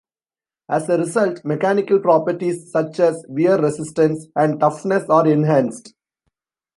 As a result, mechanical properties such as wear resistance and toughness are enhanced.